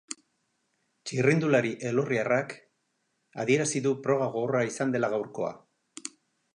Txirrindulari elorriarrak adierazi du proba gogorra izan dela gaurkoa.